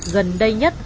gần đây nhất